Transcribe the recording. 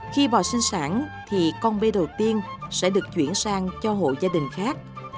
khi bò sinh sản thì con bê đầu tiên sẽ được chuyển sang cho hộ gia đình khác